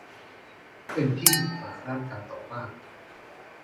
เป็นที่ปรึกษาด้านการต่อต้าน